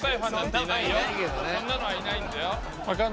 そんなのはいないんだよ。